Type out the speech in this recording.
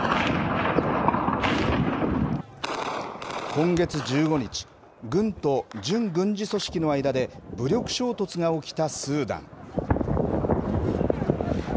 今月１５日、軍と準軍事組織の間で武力衝突が起きたスーダン。